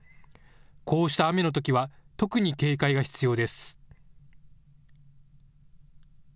こうした雨のときは特に警戒が必要です。